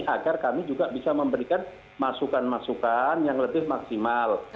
agar kami juga bisa memberikan masukan masukan yang lebih maksimal